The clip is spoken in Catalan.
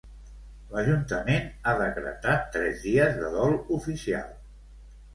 L'ajuntament ha decretat tres dies de dol oficial.